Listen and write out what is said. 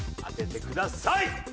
当ててください！